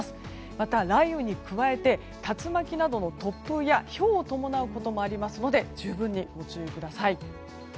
また、雷雨に加えて竜巻などの突風やひょうを伴うこともありますので十分にご注意ください。